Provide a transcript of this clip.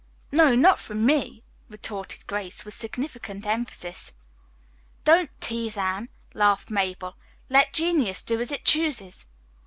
"No, not from me," retorted Grace with significant emphasis. "Don't tease Anne," laughed Mabel. "Let Genius do as it chooses."